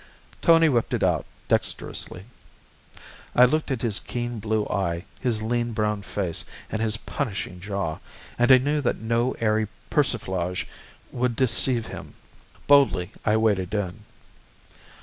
Tony whipped it out, dexterously. I looked at his keen blue eye, his lean brown face, and his punishing jaw, and I knew that no airy persiflage would deceive him. Boldly I waded in.